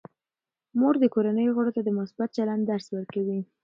مور د کورنۍ غړو ته د مثبت چلند درس ورکوي.